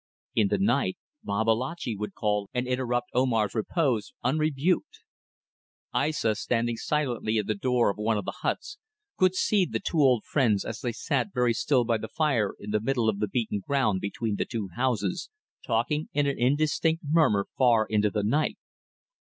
In the night, Babalatchi would call and interrupt Omar's repose, unrebuked. Aissa, standing silently at the door of one of the huts, could see the two old friends as they sat very still by the fire in the middle of the beaten ground between the two houses, talking in an indistinct murmur far into the night.